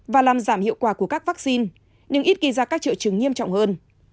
và làm giảm hiệu quả của các vaccine nhưng ít ghi ra các trợ chứng nghiêm trọng hơn